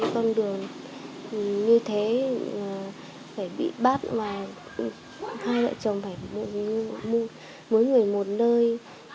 công đường như thế là phải bị bắt và hai vợ chồng phải mỗi người một nơi